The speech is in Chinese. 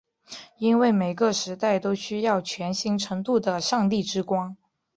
因为每个时代都需要全新程度的上帝之光。